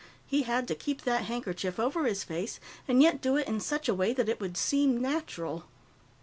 He had to keep that handkerchief over his face, and yet do it in such a way that it would seem natural.